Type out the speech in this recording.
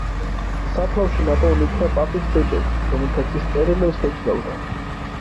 საფლავში ნაპოვნი იქნა პაპის ბეჭედი, რომლითაც ის წერილებს ბეჭდავდა.